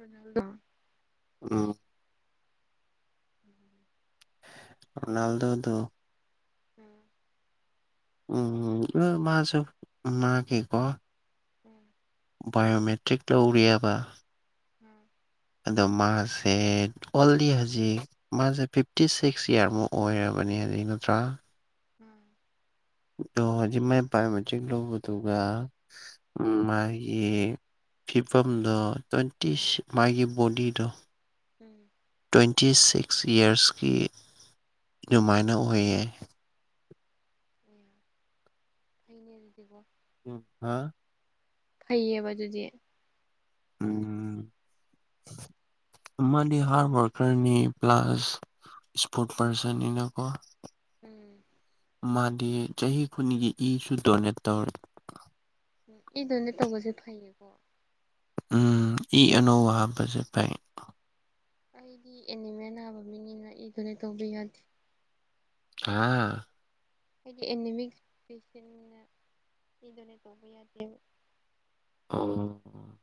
ꯑꯗꯨꯗ ꯎꯝ ꯎꯝ ꯔꯣꯅꯜꯗꯣꯗꯣ [unintelligible] ꯎꯝ ꯎꯝ ꯃꯥꯁꯨꯨ ꯃꯥꯒꯤꯀꯣ ꯎꯝ ꯕꯥꯏꯑꯣꯃꯦꯇ꯭ꯔꯤꯛ ꯇꯧꯔꯤꯑꯕ ꯎꯝ ꯑꯗꯣ ꯃꯥꯁꯦ ꯑꯣꯜꯂꯤ ꯍꯧꯖꯤꯛ ꯃꯥꯁꯦ ꯐꯤꯞꯇꯤ ꯁꯤꯛꯁ ꯏꯌꯥꯔꯃꯨꯛ ꯑꯣꯏꯔꯕ ꯑꯃꯅꯤ ꯍꯥꯏ ꯅꯠꯇ꯭ꯔ ꯎꯝ ꯑꯣ ꯍꯧꯖꯤ ꯃꯥꯏ ꯄꯥꯏ ꯆ ꯂꯧꯕꯗꯨꯒ ꯎ ꯃꯥꯒꯤ ꯐꯤꯕꯝꯗꯣ ꯇ꯭ꯋꯦꯟꯇꯤ ꯎꯝ ꯃꯥꯒꯤ ꯕꯣꯗꯤꯗꯣ ꯎꯝ ꯇ꯭ꯋꯦꯟꯇꯤ ꯁꯤꯛꯁ ꯏꯔꯁꯀꯤ ꯔꯃꯥꯏꯅ ꯑꯣꯏꯌꯦ ꯑꯦ ꯐꯩꯅꯦꯔꯤꯗꯤꯕꯣ ꯎ ꯍꯥꯥ ꯐꯩꯌꯦꯕ ꯑꯗꯨꯗꯤ [inaudible] ꯑꯃꯗꯤ ꯍꯥꯔꯗ ꯋꯥꯔꯀꯔꯅꯤ ꯄ꯭ꯂꯁ ꯏꯁꯄꯣꯔꯠ ꯄꯥꯔꯁꯟꯅꯤꯅꯀꯣ ꯎꯝ ꯃꯥꯗꯤ ꯆꯍꯤ ꯈꯨꯅꯤꯒꯤ ꯏꯁꯨ ꯗꯣꯅꯦꯠ ꯇꯧꯔꯦ ꯎ ꯏꯗꯅ ꯇꯧꯕꯁꯦ ꯐꯩꯌꯦꯀꯣ ꯎꯝ ꯏ ꯑꯅꯧ ꯑ ꯍꯥꯄꯁꯦ ꯐꯥꯏ ꯑꯩꯗꯤ ꯑꯦꯅꯤꯃꯦ ꯅꯥꯕ ꯃꯤꯅꯤꯅ ꯑꯩꯗꯨꯅꯦ ꯇꯧꯕ ꯌꯥꯗꯦ ꯑꯥ ꯑꯩꯗꯤ ꯑꯦꯅꯤꯃꯤꯛꯁ ꯄꯦꯁꯟꯅ ꯃꯤꯗꯨꯣꯅꯦ ꯇꯧꯕ ꯌꯥꯗꯦꯕ ꯑꯣ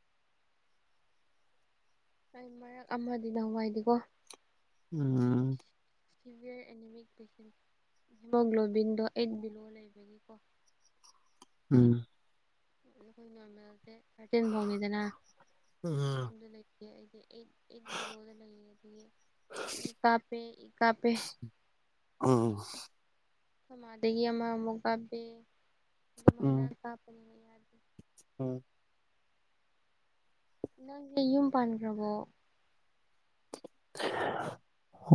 ꯑꯩ ꯃꯔꯛ ꯑꯃꯗꯤ ꯅꯍꯋꯥꯏꯗꯤꯀꯣ ꯎꯝ ꯁꯤꯚꯤꯌꯔ ꯑꯦꯅꯤꯃꯤꯛ ꯄꯦꯁꯦꯟ ꯍꯤꯃꯣꯒ꯭ꯂꯣꯕꯤꯟꯗꯣ ꯑꯩꯠ ꯕꯤꯂꯣ ꯂꯩꯕꯒꯤꯀꯣ [inaudible] ꯎꯝ ꯑ ꯑꯩꯈꯣꯏ ꯅꯣꯔꯃꯦꯜꯁꯦ ꯊꯥꯔꯇꯤꯟ ꯐꯥꯎꯅꯤꯗꯅ ꯑꯗꯨ ꯂꯩꯇꯦ ꯑꯩꯗꯤ ꯣ ꯏ ꯀꯥ ꯄꯦ ꯏ ꯀꯥ ꯄꯦ ꯎꯝ ꯥꯗꯒꯤ ꯑꯃꯃꯨꯛ ꯀꯥꯞꯕꯦ ꯑꯗꯨꯃꯥꯏꯅ ꯀꯥꯞꯄꯅꯤꯔꯦ ꯍ ꯏ ꯂꯨꯝ ꯄꯟ꯭ꯔꯕꯣ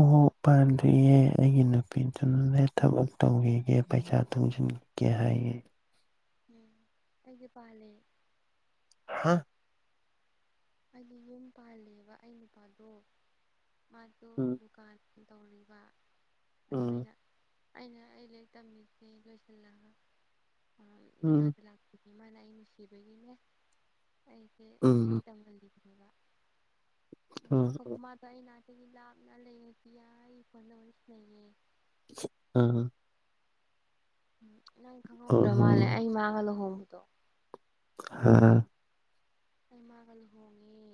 ꯑꯣ ꯄꯥꯟꯗ꯭ꯔꯤꯌꯦ ꯑꯩꯒꯤ ꯅꯨꯄꯤꯗꯨꯅꯅꯦ ꯊꯕꯛ ꯇꯧꯈꯤꯒꯦ ꯄꯩꯁꯥ ꯇꯨꯡꯁꯤꯟꯒ ꯀ ꯍꯥꯏ ꯎꯝ ꯑꯩꯒꯤ ꯄ ꯂꯩꯦ ꯍꯥ ꯑꯩꯗꯤ ꯌꯨꯝ ꯄꯥꯜꯂꯦꯕ ꯑꯩ ꯅꯨꯄꯥꯗꯣ ꯃꯥꯗꯣ ꯎꯝ ꯗꯨꯀꯥꯟ ꯇꯧꯔꯤꯕ ꯑꯗꯨ ꯑ ꯎꯝ ꯑꯣꯏꯅ ꯑꯩꯅ ꯑꯩ ꯂ ꯇꯝꯃꯤꯁꯦ ꯂꯣꯏꯁꯜꯂ ꯉ ꯎꯝ ꯂꯥꯛꯄꯤ ꯏꯃꯥꯅ ꯑꯩ ꯅꯨꯡꯁꯤꯕꯒꯤꯅꯦ ꯑꯩꯁꯦ ꯎꯝ ꯃ ꯎꯝ ꯈꯨꯄꯃꯥ ꯇꯏꯅꯥ ꯒꯤ ꯂꯥꯞꯅ ꯂꯩꯔꯗꯤ ꯌꯥ ꯑꯩ ꯐꯅꯁ ꯂꯩꯌꯦ ꯑꯥ ꯎ ꯅꯪ ꯈꯪꯍꯧꯗ꯭ꯔ ꯎꯝ ꯎꯝ ꯃꯥꯜꯂꯦ ꯑꯩꯃꯥꯡꯒ ꯂꯨꯍꯣꯡꯕꯗꯣ ꯍꯥꯥ ꯑꯩꯃꯒꯅꯤꯍꯣꯡꯉꯦ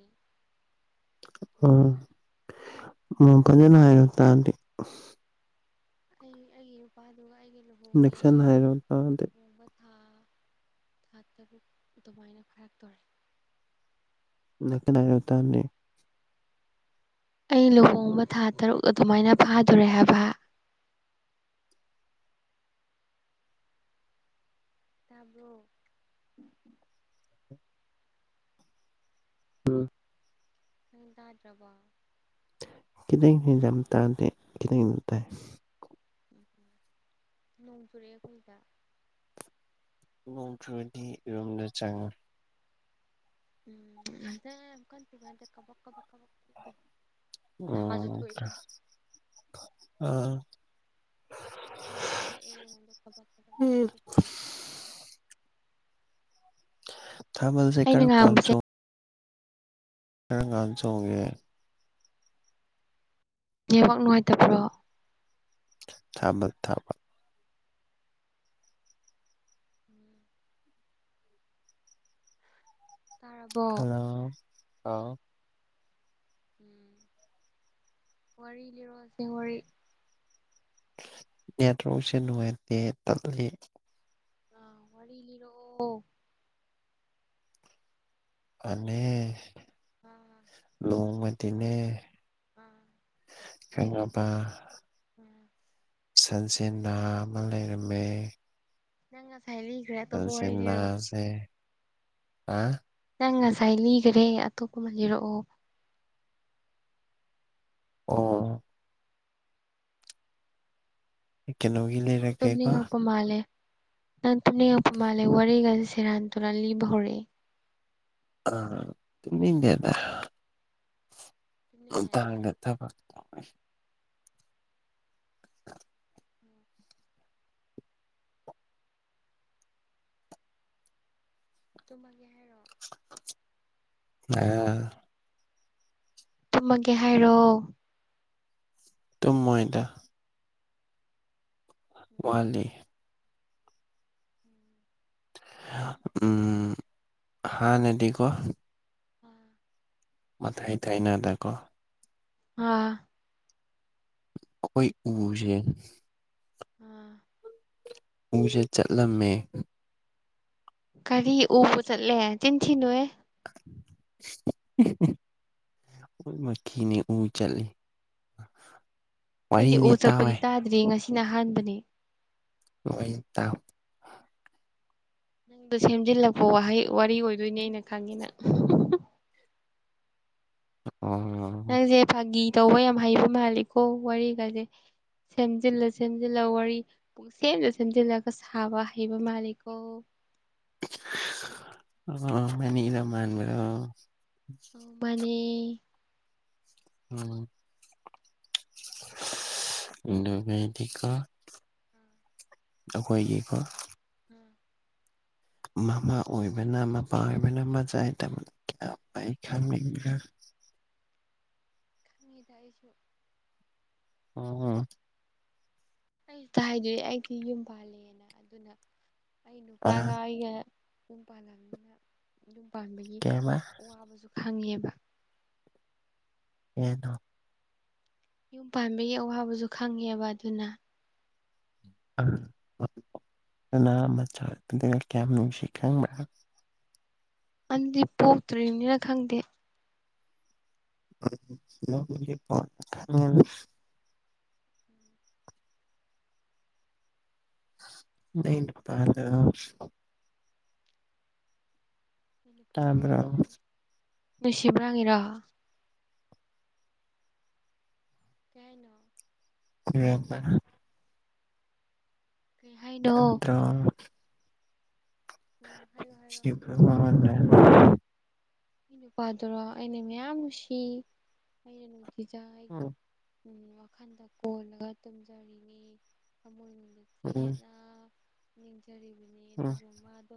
ꯑꯣ ꯎꯝ ꯃꯐꯝꯗꯅ ꯍꯥꯏꯅ ꯇꯗꯤ ꯑꯩ ꯑꯩꯒꯤ ꯅꯨꯄꯥꯗꯨ ꯑꯩꯒꯤ ꯅꯦꯛꯁꯟ ꯍꯥꯏꯔꯣ ꯇꯗ ꯊꯥ ꯊꯥꯇꯕꯨ ꯑꯗꯨꯃꯥꯏꯅ ꯈꯔ ꯇꯧꯔꯦ ꯅ ꯀꯅ ꯇꯅꯤ ꯑꯩ ꯂꯨꯍꯣꯡꯕ ꯊꯥ ꯇꯔꯨꯛ ꯑꯗꯨꯃꯥꯏꯅ ꯐꯥꯗꯣꯔꯦ ꯍꯥꯏꯕ ꯇꯥꯕꯣ ꯑ ꯍꯗꯥꯗ꯭ꯔꯕ ꯀꯇ ꯌꯥꯝ ꯇ ꯀꯇ ꯇꯥꯏ ꯎꯝ ꯅꯣꯡ ꯆꯨꯔꯛꯦ ꯀꯗ ꯅꯣꯡꯇꯗꯤ ꯌꯨꯝꯗ ꯆꯪꯉꯤ ꯎꯝ ꯀ ꯀ ꯑꯣ ꯑ ꯍꯥ ꯑꯗꯨ ꯇꯨ ꯑꯦ ꯃ ꯈꯕꯔ ꯈꯔ ꯑꯩꯅ ꯊꯃꯜꯁꯦꯀꯔ ꯄꯝ ꯉꯥꯡꯕꯁꯦ ꯆ ꯀꯔꯒꯥꯟ ꯆꯣꯡꯒꯦ ꯅꯦꯠꯋꯣꯛ ꯅꯨꯡꯉꯥꯏꯇꯕ꯭ꯔꯣ ꯊꯥꯕꯜ ꯊꯥꯕ ꯎꯝ ꯇꯥꯔꯕꯣ ꯍꯂꯣ ꯑ ꯎꯝ ꯋꯥꯔꯤ ꯂꯤꯔꯣꯁꯦ ꯋꯥꯔꯤ ꯅꯦꯠꯋꯣꯛꯁꯦ ꯅꯨꯡꯉꯏꯇꯦ ꯇꯜꯂꯤ ꯑ ꯋꯔꯤ ꯂꯤꯔꯣ ꯑ ꯑꯥ ꯂꯣꯡ ꯃꯗꯤꯅꯦ ꯎꯝ ꯈꯪꯉꯕ ꯎꯝ ꯁꯟꯁꯦꯟ ꯅꯍ ꯑꯃ ꯂꯩꯔꯝꯃꯦ ꯅꯪ ꯉꯁꯥꯏ ꯂꯤꯈ꯭ꯔꯦ ꯑꯇꯣꯞꯄ ꯋꯥꯔꯤ ꯁꯟꯁꯦꯟ ꯂꯤꯔꯛꯑꯣ ꯅꯍꯁꯦ ꯑ ꯅꯪ ꯉꯁꯥꯏ ꯂꯤꯈꯔꯦ ꯑꯇꯣꯞꯄ ꯑꯃ ꯂꯤꯔꯛꯑꯣ ꯑꯣ ꯀꯩꯅꯣ ꯇꯝꯅꯤꯛ ꯉꯛꯄ ꯃꯥꯥꯂꯦ ꯅꯪ ꯇꯨꯝꯅꯤꯉꯛ ꯄ ꯃꯥꯂꯦ ꯋꯥꯔꯤꯒꯁꯦ ꯁꯦꯔꯟ ꯇꯦꯔꯟ ꯂꯤꯕ ꯍꯧꯔꯦ ꯑ ꯇꯨꯝꯅꯤꯡꯗꯦ ꯗ ꯇꯨꯝꯅꯤꯡꯉꯦ ꯇꯣꯇꯥꯡ ꯇꯝꯃꯒꯦ ꯍꯥꯏꯔꯣ ꯑ ꯇꯨꯝꯃꯒꯦ ꯍꯥꯏꯔꯣ ꯇꯨꯝꯃꯣꯏꯗ ꯋꯥꯠꯂꯤ ꯎꯝ ꯍꯥꯟꯅ ꯗꯤ ꯀꯣ ꯎꯝ ꯃꯊꯥꯏ ꯊꯥꯏꯅꯗꯀꯣ ꯑ ꯑꯩꯏ ꯎꯕꯨꯁꯦ ꯑꯥ ꯎꯁꯦ ꯆꯠꯂꯝꯃꯦ ꯀꯔꯤ ꯎꯕꯨ ꯆꯠꯂꯦ ꯆꯤꯟꯁꯤꯅꯨꯑꯦ ꯃꯤꯅꯤ ꯎ ꯆꯠꯂꯤ ꯑꯩꯗꯤ ꯎ ꯋꯥꯔꯤꯅꯤ ꯆꯠꯄꯗꯤ ꯇꯥꯎꯋꯦ ꯇꯥꯗ꯭ꯔꯤ ꯉꯁꯤꯅ ꯑꯍꯥꯟꯕꯅꯦ ꯍꯣꯢ ꯇꯥꯎ ꯅꯪꯗꯣ ꯁꯦꯝꯖꯤꯜꯂꯛꯄ ꯋꯥꯍꯩ ꯋꯥꯔꯤ ꯑꯣꯏꯗꯣꯏꯅꯦ ꯑꯩꯅ ꯈꯪꯉꯦ ꯅꯪ ꯑꯣ ꯅꯪꯁꯦ ꯐꯥꯒꯤ ꯇꯧꯕ ꯌꯥꯝ ꯍꯩꯕ ꯃꯥꯜꯂꯤꯀꯣ ꯋꯥꯔꯤꯒꯁꯦ ꯁꯦꯝꯖꯤꯜꯂ ꯁꯦꯝꯖꯤꯜꯂ ꯋꯥꯔꯤ ꯁꯦꯝꯂ ꯁꯦꯝꯖꯤꯜꯂꯒ ꯁꯥꯕ ꯍꯩꯕ ꯃꯥꯜꯂꯤꯀꯣ ꯑꯣ ꯃꯅꯤꯗꯃꯥꯟꯕ ꯃꯅꯦ ꯎꯝ ꯃꯦꯗꯤꯀꯥ ꯑꯥ ꯑꯩꯈꯣꯏꯒꯤꯀꯣ ꯃꯥꯃ ꯑꯣꯏꯕꯅ ꯃꯄꯥ ꯑꯣꯏꯕꯅ ꯃꯆꯥꯏ ꯗꯃꯛ ꯈ ꯃꯤ ꯈꯪꯏꯗ ꯑꯩꯁꯨ ꯑꯣ ꯑꯩꯗ ꯍꯥꯏꯗꯦ ꯑꯩꯗꯤ ꯌꯨꯝ ꯄꯥꯜꯂꯦꯅ ꯑꯗꯨꯅ ꯑꯩ ꯑ ꯅꯨꯄꯥꯒ ꯑꯩꯒ ꯌꯨꯝ ꯄꯥꯟꯜꯂꯅꯤꯅ ꯌꯨꯝ ꯄꯥꯟꯕꯒꯤ ꯀꯩꯕ ꯑꯋꯥꯕꯁꯨ ꯐꯪꯉꯦꯕ [unintelligible] ꯌꯨꯝ ꯄꯥꯟꯕꯒꯤ ꯑꯋꯥꯕꯁꯨ ꯈꯪꯉꯦꯕ ꯑꯗꯨꯅ ꯀꯅꯥ ꯃꯆꯥꯅ ꯀꯌꯥꯝ ꯅꯨꯡꯁꯤ ꯈꯪꯕ꯭ꯔꯥ ꯑꯗꯨꯗꯤ ꯄꯣꯛꯇ꯭ꯔꯤꯕꯅꯤꯅ ꯈꯪꯗꯦ [unintelligible] ꯅꯩ ꯅꯨꯄꯗꯥ ꯑꯩ ꯅꯨꯄꯥꯗꯣ ꯇꯥꯕ꯭ꯔꯣ ꯑꯩꯅ ꯌꯥꯝ ꯅꯨꯡꯁꯤꯕꯅꯥꯡꯉꯤꯔꯣ ꯀꯩꯍꯥꯏꯅꯣ ꯍꯕꯔ ꯀꯩ ꯍꯥꯏꯅꯣ ꯇꯥꯗ꯭ꯔꯣ ꯎꯝ ꯍꯥꯏꯔꯣ ꯍꯥꯏꯔꯣ [unintelligible] ꯑꯩ ꯅꯨꯄꯥꯗꯨꯔꯣ ꯑꯩꯅ ꯃꯌꯥꯝ ꯅꯨꯡꯁꯤ ꯑꯩꯅ ꯅꯨꯡꯁꯤꯖ ꯎꯝ ꯋꯥꯈꯟꯗ ꯀꯣꯂꯒ ꯇꯨꯝꯖꯔꯤꯅꯤ ꯆꯦꯠꯅ ꯅꯤꯡꯖꯔꯤꯕꯅꯤ ꯑꯗꯨꯕꯨ ꯃꯥꯗꯣ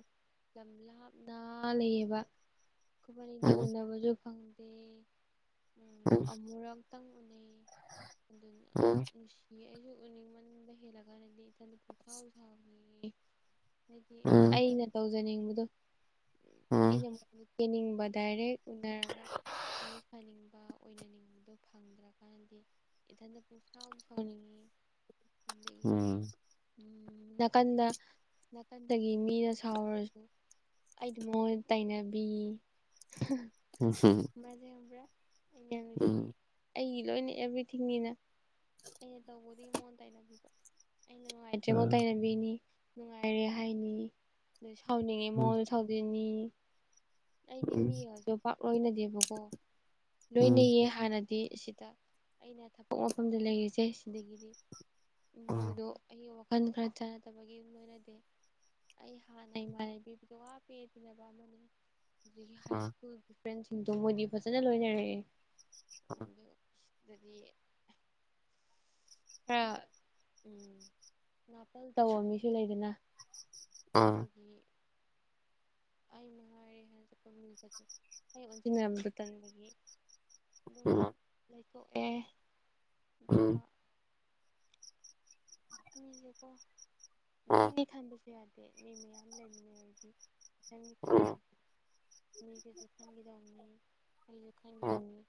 ꯂꯝ ꯂꯥꯞꯅ ꯂꯩꯌꯦꯕ ꯈꯨꯃꯅꯤꯗꯤ ꯎꯅꯕꯁꯨ ꯐꯪꯗꯦ ꯎꯝ ꯑꯃꯨꯔꯛ ꯑꯗꯨꯅꯨꯡꯁꯤ ꯑꯩꯁꯨ ꯎꯅꯤꯡ ꯃꯗ ꯍꯦꯜꯂꯒꯅꯗꯤ ꯏꯊ ꯄꯨꯆꯥꯎꯖꯥꯎꯅꯤ ꯍꯥꯏꯗꯤ ꯑꯩꯅ ꯇꯧꯖꯅꯤꯡꯕꯗꯣ ꯑꯩꯅ ꯄꯅꯤꯡꯕ ꯗꯥꯏꯔꯦꯛ ꯎꯅꯔꯒ ꯋꯥꯔꯤ ꯐꯅꯤꯡꯕ ꯑꯣꯏꯅꯅꯤꯡꯕꯗꯣ ꯐꯪꯗ꯭ꯔꯀꯥꯟꯅꯗꯤ ꯏ ꯄꯨꯁꯥ ꯁꯅꯤꯡꯉꯅꯤ ꯎꯝ ꯎꯝ ꯅꯥꯀꯟꯗ ꯅꯥꯀꯟꯗꯒꯤ ꯃꯤꯅ ꯁꯥꯎꯔꯁꯨ ꯑꯗꯤꯃꯣꯟ ꯇꯥꯏꯅꯕꯤꯖꯕ꯭ꯔ ꯌꯥꯝ ꯅꯨꯡꯁꯤ ꯑꯩ ꯂꯣꯏꯅ ꯑꯦꯕ꯭ꯔꯤꯊꯤꯡꯅꯤꯅ ꯑꯩꯅ ꯇꯧꯕꯗꯤ ꯃꯣꯟ ꯇꯩꯅꯕꯤꯕ ꯑꯩꯅ ꯅꯨꯡꯉꯥꯏꯇ꯭ꯔꯤꯉꯣꯟ ꯇꯩꯅꯕꯤꯅꯤ ꯅꯨꯡꯉꯥꯏꯔꯦ ꯍꯥꯏꯅꯤ ꯁꯧꯅꯤꯡꯉꯤ ꯃꯣꯣꯟ ꯁꯧꯗꯅꯤ ꯑꯩꯗꯤ ꯃꯤꯒꯁꯨ ꯄꯥꯛ ꯂꯣꯏꯅꯗꯦꯕꯀꯣ ꯂꯣꯏꯅꯩꯌꯦ ꯍꯥꯟꯅꯗꯤ ꯑꯁꯤꯗ ꯑꯩꯅ ꯊꯕꯛ ꯃꯐꯝꯗ ꯂꯩꯔꯤꯁꯦ ꯁꯤꯗꯒꯤꯗꯤ ꯃꯣꯏꯗꯣ ꯑ ꯋꯥꯈꯟ ꯈꯔ ꯆꯥꯟꯅꯗꯕꯒꯤ ꯌꯨꯝ ꯑꯣꯏꯅꯗꯤꯦ ꯑꯩ ꯍꯥꯟꯅꯩ ꯏꯃꯥꯟꯅꯩ ꯄꯕꯗꯣ ꯋꯥ ꯄꯦꯗꯅꯕ ꯑꯃꯅꯤꯅꯦ ꯑꯗꯒꯤ ꯍꯥꯏ ꯁ꯭ꯀꯨꯜꯒꯤ ꯐ꯭ꯔꯦꯟꯁꯤꯡꯗꯣ ꯃꯣꯏꯗꯤ ꯐꯖꯅ ꯂꯣꯏꯅꯔꯛꯑꯦ ꯍ ꯑꯗꯨꯗꯤ ꯈꯔ ꯎꯝ ꯅꯥꯇꯜ ꯇꯧ ꯃꯤꯁꯨ ꯂꯩꯗꯅ ꯑꯗꯨꯗꯒꯤ ꯑꯩꯉꯥꯏꯔꯦ ꯍꯥꯏꯅ ꯆꯠꯄ ꯃꯤ ꯑꯩ ꯑꯣꯟꯁꯤꯟꯅꯕꯗꯨ ꯇꯟꯕꯒꯤ ꯂ ꯂꯩꯀꯣꯛꯦ ꯃꯤꯁꯦꯀꯣ ꯏꯊꯪꯗꯤ ꯈꯟꯕꯁꯨ ꯌꯥꯗꯦ ꯃꯤ ꯃꯌꯥꯝ ꯂꯩꯃꯤꯟꯅꯔꯗꯤ ꯏꯪꯅꯤ ꯈꯟꯕꯤ ꯌꯥꯗꯦ ꯃꯤꯒꯤꯁꯨ ꯈꯟꯈꯤꯗꯕꯅꯤ ꯑꯩꯁꯨ ꯈꯪꯕꯉꯤ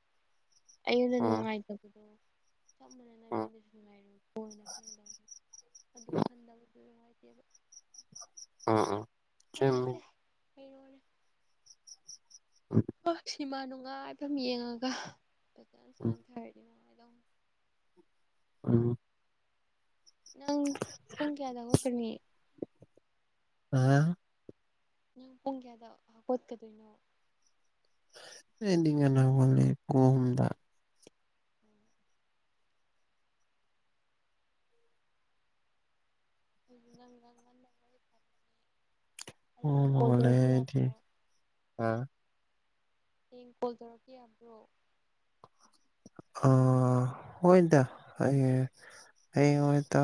ꯑꯩꯉꯣꯟꯗ ꯅꯨꯡꯉꯥꯏꯇꯕꯗꯣ ꯆꯞ ꯃꯥꯟꯅꯅ ꯃꯤꯗꯨꯁꯨ ꯅꯨꯡꯉꯥꯏꯔꯕꯀꯣꯅ ꯈꯪꯗꯕ ꯑꯗꯨ ꯈꯟꯗꯕꯗꯨ ꯅꯨꯡꯉꯥꯏꯇꯦꯕ ꯑ ꯑ ꯐꯔꯦꯁꯦ ꯑ ꯏꯃꯥ ꯅꯨꯡꯉꯥꯏꯕ ꯌꯦꯡꯉꯒ ꯐꯖꯅ ꯁꯥꯟꯊꯔ ꯅꯨꯡꯉꯥꯏ ꯑ ꯏ ꯅꯪ ꯄꯨꯡ ꯀꯌꯥꯗ ꯍꯧꯒꯀꯅꯤ ꯑ ꯅꯪ ꯄꯨꯡ ꯀꯌꯥꯗ ꯍꯧꯒꯠꯀꯗꯣꯏꯅꯣ ꯑꯦꯅꯤꯡ ꯉꯅ ꯍꯧꯒꯂꯦ ꯄꯨꯡ ꯑꯍꯨꯝꯗ ꯎ ꯉ ꯉꯟ [unintelligible] ꯑꯣ ꯃꯒꯂꯦꯗꯤ ꯑ ꯍꯌꯦꯡ ꯀꯣꯜ ꯇꯧꯔꯛꯀꯦ ꯌꯥꯕꯔꯣ ꯑ ꯍꯣꯏꯗ ꯑꯩ ꯑꯩ ꯍꯣꯏꯇ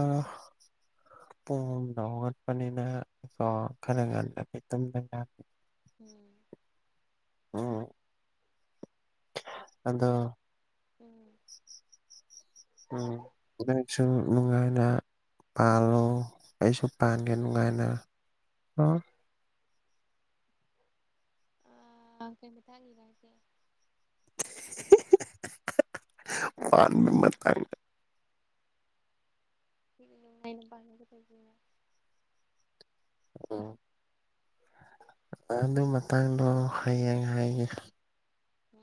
ꯄꯨꯡ ꯑꯍꯨꯝꯗ ꯍꯧꯒꯠꯄꯅꯤꯅ ꯀꯣ ꯈꯔ ꯉꯟꯅꯗꯤ ꯇꯨꯝꯕ ꯌꯥꯗꯦ ꯎꯝ ꯑꯣ ꯑꯗꯣ ꯎꯝ ꯎꯝ ꯁꯨ ꯅꯨꯉꯥꯏꯅꯥ ꯄꯥꯜꯂꯣ ꯑꯩꯁꯨ ꯄꯥꯟꯒꯦ ꯅꯨꯡꯉꯥꯏꯅ ꯑꯣ ꯑ ꯀꯩ ꯃꯥꯇꯥꯡꯒꯤꯅꯣ ꯑꯥꯏꯁꯦ [unintelligible] ꯃꯥꯏ ꯅꯨꯄꯥ [unintelligible] ꯎꯝ ꯑꯗꯨ ꯃꯇꯥꯡꯗꯣ ꯍꯌꯦꯡ ꯍꯥꯏꯒꯦ ꯎꯝ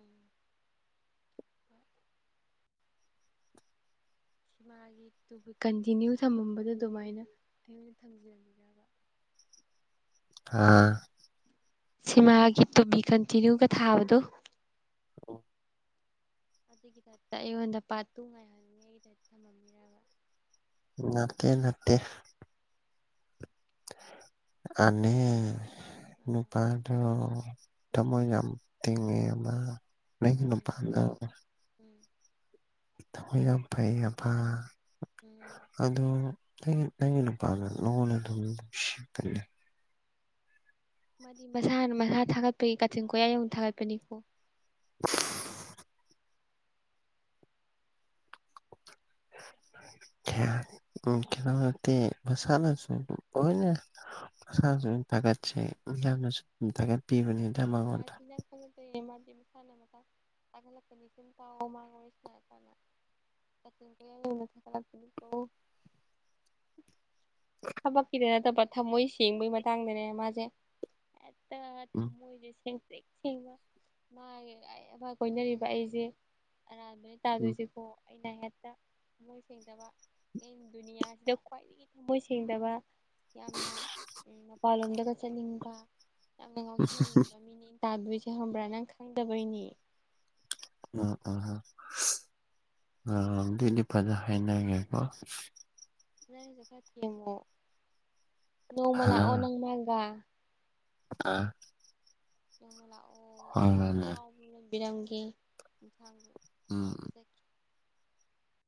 ꯃꯥꯒꯤ ꯇꯨ ꯀꯟꯇꯤꯅ꯭ꯌꯨ ꯊꯝꯃꯝꯕꯗꯨ ꯗꯨꯃꯥꯏꯅ ꯑꯩꯉꯣꯟ ꯊꯝꯖꯤꯟꯒꯤꯔꯥꯕ [inaudible] ꯑꯥ ꯁꯤꯃꯥꯒꯤ ꯇꯨꯄꯤ ꯀꯟꯇꯤꯅ꯭ꯌꯨꯒ ꯊꯥꯕꯗꯨ ꯑꯗꯨꯒꯤꯗꯛꯇ ꯑꯩꯉꯣꯟꯗ ꯄꯥꯠꯇꯨ ꯉꯥꯏꯍꯟꯉꯤ ꯑꯩꯒꯤꯗꯛꯇ ꯊꯝꯃꯝꯕꯤꯔꯕ ꯅꯠꯇꯦ ꯅꯠꯇꯦ ꯑꯅꯤ ꯑꯥ ꯅꯨꯄꯥꯗꯣ ꯊꯃꯣꯏ ꯌꯥꯝ ꯅꯩꯒꯤ ꯎꯝ ꯅꯨꯄꯥ ꯅꯧ ꯎꯝ ꯊꯃꯣꯏ ꯌꯥꯝ ꯐꯩꯑꯕ ꯎꯝ ꯎꯝ ꯑꯗꯣ ꯅꯩ ꯅꯪꯒꯤ ꯅꯨꯄꯥꯥꯗꯣ ꯂꯣꯟꯅ ꯑꯗꯨꯝ ꯅꯨꯡꯁꯤꯕꯅꯦ ꯃꯥꯗꯤ ꯃꯁꯥꯅ ꯃꯁꯥ ꯊꯥꯒꯠꯄꯒꯤ ꯀꯥꯆꯤꯟ ꯀꯣꯏꯌꯥ ꯌꯧꯛ ꯊꯥꯒꯠꯄꯅꯤꯀꯣ [unintelligible] [inaudible] ꯈꯌ ꯎꯝ ꯀꯦꯝ ꯅꯠꯇꯦ ꯃꯁꯥꯅꯥ ꯁꯨꯝ ꯂꯣꯏꯅꯥ ꯃꯁꯥꯅꯥ ꯊꯥꯒꯠꯁꯦ ꯌꯥꯝꯅꯁꯨ ꯊꯥꯒꯠꯄꯤꯕꯅꯤ ꯄ ꯐ [unintelligible] ꯃꯁꯥꯟꯅ ꯃꯁꯥꯅ ꯇꯥꯒꯠꯂꯛꯀꯅꯤ ꯁꯨꯝ ꯇꯧꯑꯣ ꯃꯥ ꯋꯥꯔꯤ ꯁꯥꯅꯔ ꯀꯥꯟꯗ ꯀꯥꯆꯤꯟ ꯀꯣꯌꯥ ꯌꯧꯅ ꯊꯥꯍꯠꯂꯛꯀꯅꯤꯀꯣ ꯊꯕꯛꯀꯤꯗ ꯅꯠꯇꯕ ꯊꯝꯃꯣꯏ ꯁꯦꯡꯕꯩ ꯃꯇꯥꯡꯗꯅꯦ ꯃꯥꯁꯦ ꯇ ꯎꯝ ꯊꯝꯃꯣꯏ ꯁꯦꯡ ꯁꯦꯡ ꯇꯤꯛ ꯁꯦꯡꯕ ꯃꯥꯒꯤ ꯃꯥ ꯀꯣꯏꯅꯔꯤꯕ ꯑꯩꯁꯦ ꯑꯔꯥꯟꯕꯅꯦ ꯎꯝ ꯇꯥꯗꯣꯏꯁꯤꯀꯣ ꯑꯩꯅ ꯍꯦꯛꯇ ꯊꯃꯣꯏ ꯁꯦꯡꯗꯕ ꯑꯩꯅ ꯗꯨꯅꯤꯌꯥꯁꯤꯗ ꯈ꯭ꯋꯥꯏꯗꯒꯤ ꯊꯃꯣꯏ ꯁꯦꯡꯗꯕ ꯌꯥꯝꯅ ꯃꯄꯥꯟꯂꯣꯝꯗꯒ ꯆꯠꯅꯤꯡꯕ ꯌꯥꯝꯅ ꯉꯥꯎꯁꯤꯟꯅꯅꯤꯡ ꯇꯥꯗꯣꯏꯁꯤ ꯍꯪꯕ꯭ꯔꯥ ꯅꯪ ꯈꯪꯗꯕꯩꯅꯤ ꯎꯝ ꯎꯝ [unintelligible] ꯑ ꯑꯗꯨꯏꯗꯤ ꯐꯖ ꯍꯥꯏꯅꯒꯦꯀꯣ ꯁꯨ ꯊꯦꯝꯃꯣ ꯅꯣꯡꯃ ꯂꯑꯣ ꯅꯪ ꯃꯥꯒꯥ ꯑ [inaudible] [unintelligible] ꯕꯤꯔꯪꯒꯤꯖ ꯎꯝ